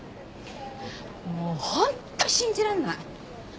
もう本当信じらんない！